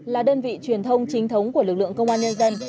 là đơn vị truyền thông chính thống của lực lượng công an nhân dân